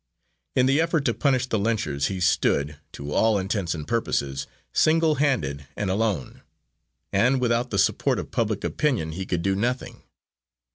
In the effort to punish the lynchers he stood, to all intents and purposes, single handed and alone; and without the support of public opinion he could do nothing.